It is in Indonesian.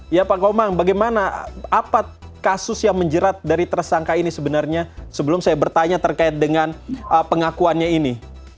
ya pak komang bagaimana apa kasus yang menjerat dari tersangka ini sebenarnya sebelum saya bertanya terkait dengan pengakuannya ini